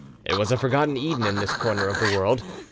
It was a forgotten Eden in this corner of the world.